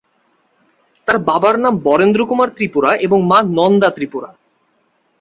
তার বাবার নাম বরেন্দ্র কুমার ত্রিপুরা এবং মা নন্দা ত্রিপুরা।